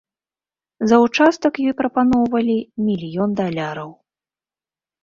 За ўчастак ёй прапаноўвалі мільён даляраў.